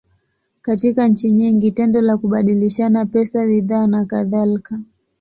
Katika nchi nyingi, tendo la kubadilishana pesa, bidhaa, nakadhalika.